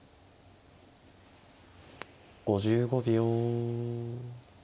５５秒。